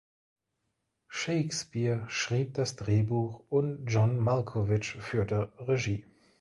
Shakespeare schrieb das Drehbuch und John Malkovich führte Regie.